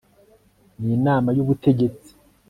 n inama y Ubutegetsi